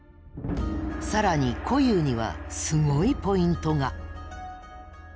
更に虎にはすごいポイントが。